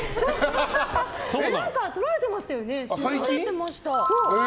撮られてましたよね？